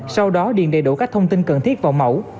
sau đó điền đầy đủ các thông tin cần thiết vào mẫu